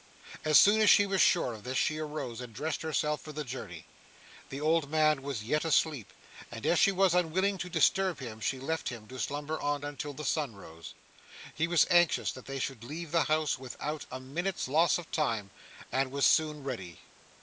As soon as she was sure of this, she arose, and dressed herself for the journey. The old man was yet asleep, and as she was unwilling to disturb him, she left him to slumber on, until the sun rose. He was anxious that they should leave the house without a minute's loss of time, and was soon ready.